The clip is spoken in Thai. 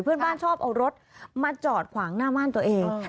เพื่อนบ้านชอบเอารถมาจอดขวางหน้าบ้านตัวเองอืม